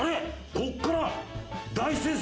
こっから。